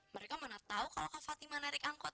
mereka mana tau kalo kak fatima nerik angkot